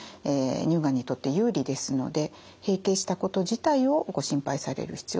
乳がんにとって有利ですので閉経したこと自体をご心配される必要はありません。